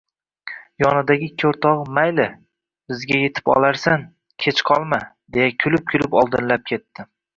Yonidagi ikki oʻrtogʻi “Mayli, bizga yetib olarsan, kech qolma”, deya kulib-kulib oldinlab ketdi.